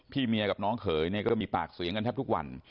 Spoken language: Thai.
เมียกับน้องเขยเนี่ยก็มีปากเสียงกันแทบทุกวัน